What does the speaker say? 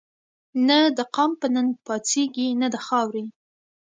نه دقام په ننګ پا څيږي نه دخاوري